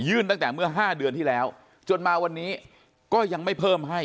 ตั้งแต่เมื่อ๕เดือนที่แล้วจนมาวันนี้ก็ยังไม่เพิ่มให้